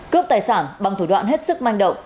cướp tài sản bằng thủ đoạn hết sức manh động